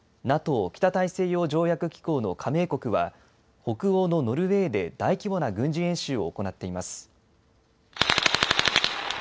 ＮＡＴＯ・北大西洋条約機構の加盟国は北欧のノルウェーで大規模な軍事演習を行っています。